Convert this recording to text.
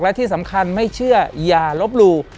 และที่สำคัญไม่เชื่ออย่าลบหลู่